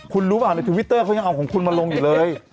คุณรู้ป่ะในทวิตเตอร์เขายังเอาของคุณมาลงอยู่เลย